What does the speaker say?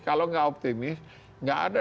kalau gak optimis gak ada